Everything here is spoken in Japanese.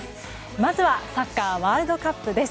まずはサッカーワールドカップです。